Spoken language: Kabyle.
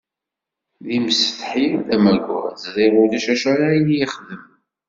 D imsetḥi, d amaggad, ẓriɣ ulac acu ara yi-ixdem.